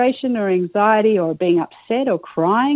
atau berasa sedih atau menangis dalam pelajaran